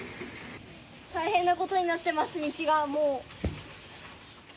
大変なことになってます、道がもう。